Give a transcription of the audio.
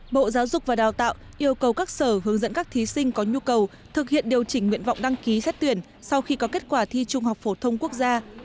bộ giáo dục và đào tạo yêu cầu các sở hướng dẫn các thí sinh có nhu cầu thực hiện điều chỉnh nguyện vọng đăng ký xét tuyển sau khi có kết quả thi trung học phổ thông quốc gia